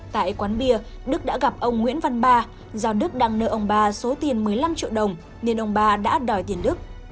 tại quán bia đức đã gặp ông nguyễn văn ba giao đức đang nợ ông ba số tiền một mươi năm triệu đồng nên ông ba đã đòi tiền đức